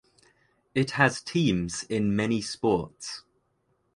It has teams in many sports.